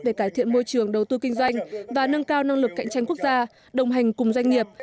về cải thiện môi trường đầu tư kinh doanh và nâng cao năng lực cạnh tranh quốc gia đồng hành cùng doanh nghiệp